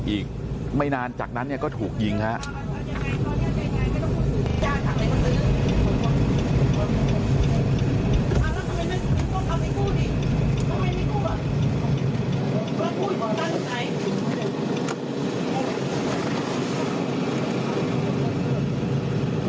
อีกไม่นานจากนั้นเนี่ยก็ถูกยิงครับ